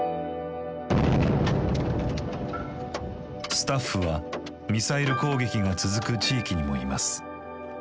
スタッフはミサイル攻撃が続く地域にもいます。